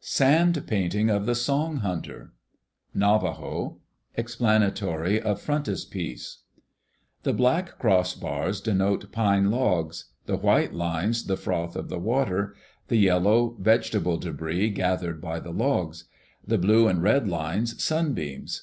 Sand Painting of the Song Hunter Navajo (Explanatory of frontispiece) The black cross bars denote pine logs; the white lines the froth of the water; the yellow, vegetable debris gathered by the logs; the blue and red lines, sunbeams.